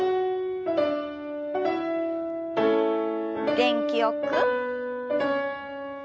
元気よく。